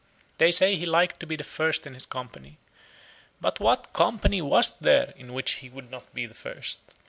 They say he liked to be the first in his company; but what company was there in which he would not be first?